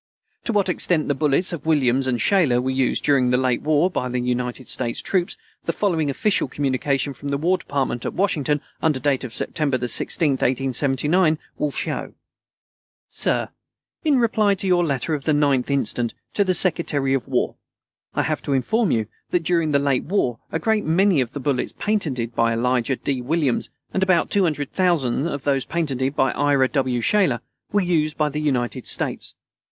To what extent the bullets of Williams and Shaler were used during the late war by the United States troops, the following official communication from the War Department at Washington, under date of September 16, 1879, will show: Sir In reply to your letter of the 9th instant to the Secretary of War, I have to inform you that during the late war a great many of the bullets patented by Elijah D. Williams and about 200,000 of those patented by Ira W. Shaler were used by the United States.